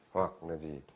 hoặc là gì